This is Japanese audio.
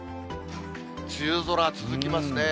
梅雨空続きますね。